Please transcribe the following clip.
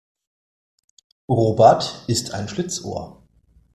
Robert ist ein Schlitzohr.